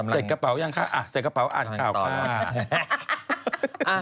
เสร็จกระเป๋ายังคะใส่กระเป๋าอ่านข่าวค่ะ